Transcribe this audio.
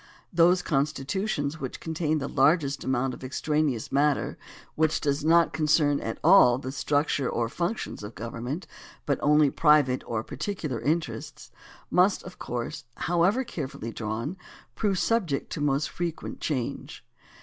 Those constitutions which contain the largest amount of extraneous matter, which does not concern at all the structure or functions of government, but only private or particular interests, must, of course, however carefully drawn, prove subject to most frequent change.